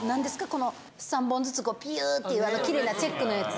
この３本ずつピューッとキレイなチェックのやつ？